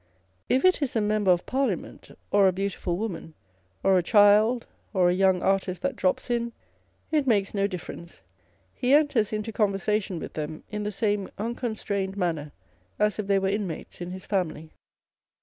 If it is a Member of On the Old Age of Artists. 125 Parliament, or a beautiful woman, or a child, or a young artist that drops in, it makes no difference; he enters into conversation with them in the same unconstrained manner, as if they were inmates in his family.